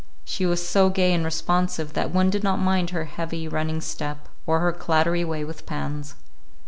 She was so gay and responsive that one did not mind her heavy, running step, or her clattery way with pans.